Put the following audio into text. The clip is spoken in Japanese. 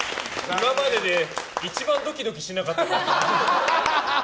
今までで一番ドキドキしなかったです。